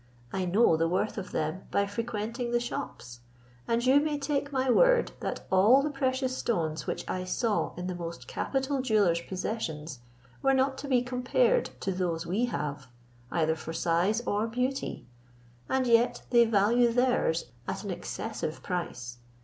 I know the worth of them by frequenting the shops; and you may take my word that all the precious stones which I saw in the most capital jewellers' possessions were not to be compared to those we have, either for size or beauty, and yet they value theirs at an excessive price.